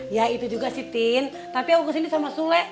ya itu juga sitin tapi aku kesini sama sule